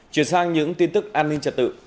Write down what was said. chuyển sang những tin tức an ninh trật tự